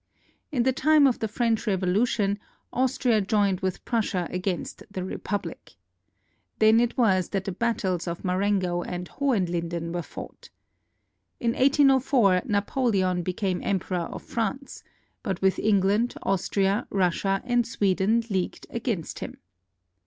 In the time of the French Revolution, Austria joined with Prussia against the Republic. Then it was that the battles of Marengo and Hohenlinden were fought. In 1S04, Na poleon became Emperor of France, but with England, Aus tria, Russia, and Sweden leagued against him.